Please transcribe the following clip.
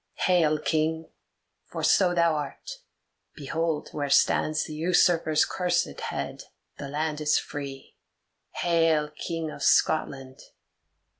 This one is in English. "Hail, King! For so thou art. Behold where stands the usurper's cursed head; the land is free. Hail, King of Scotland!"